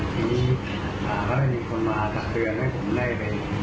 ทีนี้ก็เลยมีคนมาตักเตือนให้ผมได้ไป